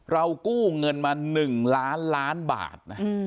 เรากู้เงินมา๑ล้านล้านบาท